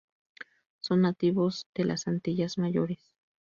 Son nativos de las Antillas Mayores.